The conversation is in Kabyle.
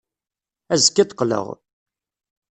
Azekka ad d-qqleɣ.